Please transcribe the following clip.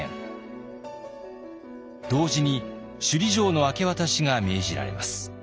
同時に首里城の明け渡しが命じられます。